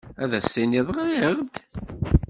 Ad as-tinid ɣriɣ-d?